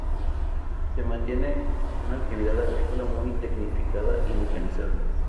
Se mantiene una actividad agrícola muy tecnificada y mecanizada.